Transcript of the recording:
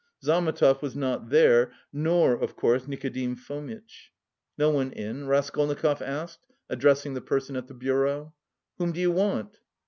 Zametov was not there, nor, of course, Nikodim Fomitch. "No one in?" Raskolnikov asked, addressing the person at the bureau. "Whom do you want?"